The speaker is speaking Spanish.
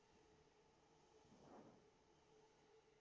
Sus novelas suelen enmarcarse en la Edad Media.